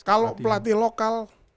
kalau pelatih lokal